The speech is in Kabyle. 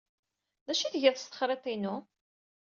D acu ay tgiḍ s texriḍt-inu?